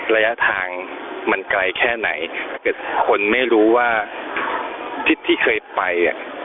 ระยะทางมันไกลแค่ไหนเกิดคนไม่รู้ว่าทิศที่เคยไปอ่ะ